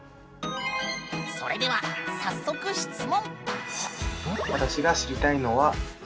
それでは早速質問！